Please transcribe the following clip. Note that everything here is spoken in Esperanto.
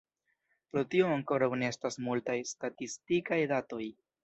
Pro tio ankoraŭ ne estas multaj statistikaj datoj.